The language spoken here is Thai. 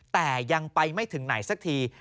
แต่ยังไปไม่ถึงไหนสักที